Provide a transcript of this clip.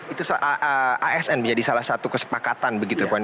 itu asn menjadi salah satu kesepakatan begitu ya puan